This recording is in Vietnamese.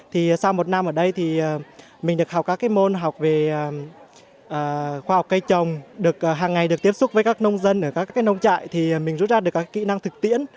thì sau một năm ở đây thì mình được học các môn học về khoa học cây trồng được hàng ngày được tiếp xúc với các nông dân ở các cái nông trại thì mình rút ra được các kỹ năng thực tiễn